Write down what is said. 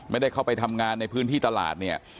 ไม่ได้เข้าไปทำงานในพื้นที่ตลาดเนี่ย